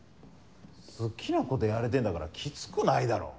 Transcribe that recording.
好きなことやれてんだからキツくないだろ。